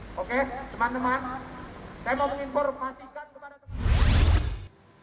oke teman teman saya mau menginformasikan kepada teman teman